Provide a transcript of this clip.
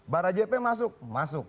barajp masuk masuk